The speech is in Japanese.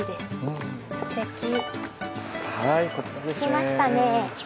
着きましたね。